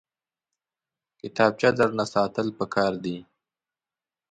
کتابچه درنه ساتل پکار دي